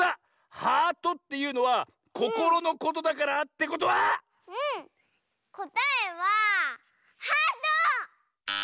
「ハート」っていうのはココロのことだからってことは⁉うんこたえは「ハート」！